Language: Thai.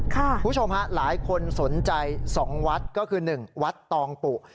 คุณผู้ชมฮะหลายคนสนใจ๒วัดก็คือ๑วัดตองปุ